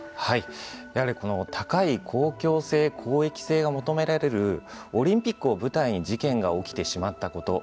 やはり高い公共性公益性が求められるオリンピックを舞台に事件が起きてしまったこと。